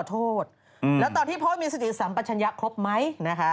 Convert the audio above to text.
แล้วตอนที่โพสต์มีสิทธิศรรมปัจฉันยักษ์ครบไหม